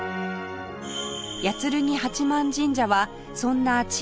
八剱八幡神社はそんな地域の総鎮守